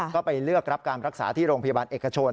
ก็ไปเลือกรับการรักษาที่โรงพยาบาลเอกชน